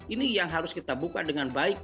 ini yang harus kita buka dengan baik